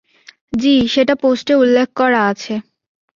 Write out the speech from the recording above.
জ্বি, সেটা পোস্টে উল্লেখ করা আছে।